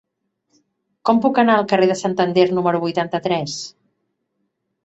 Com puc anar al carrer de Santander número vuitanta-tres?